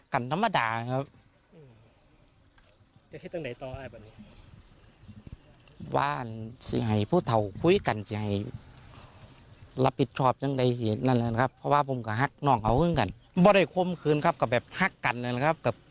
คืนครับกับแบบฮักกันนะครับ